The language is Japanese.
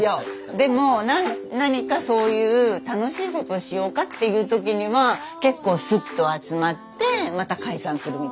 でも何かそういう楽しいことしようかっていう時には結構スッと集まってまた解散するみたいな。